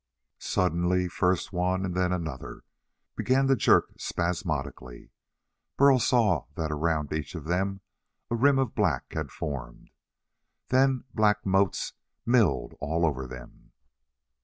Suddenly first one and then another began to jerk spasmodically. Burl saw that around each of them a rim of black had formed. Then black motes milled all over them.